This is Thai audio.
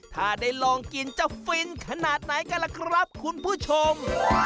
ถ้าได้ลองกินจะฟินขนาดไหนกันล่ะครับคุณผู้ชม